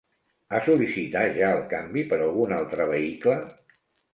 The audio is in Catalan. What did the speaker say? Ha sol·licitat ja el canvi per algun altre vehicle?